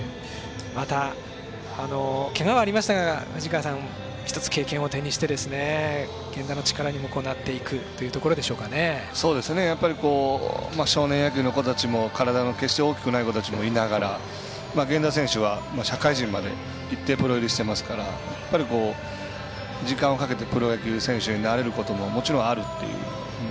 また、けがはありましたが１つ経験を手にして源田の力にもなっていくやっぱり少年野球の子たちも体が決して大きくない子たちもいながら源田選手は社会人までいってプロ入りしてますから時間をかけてプロ野球選手になれることももちろんあるっていう。